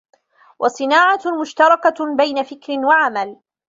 وَصِنَاعَةٌ مُشْتَرَكَةٌ بَيْنَ فِكْرٍ وَعَمَلٍ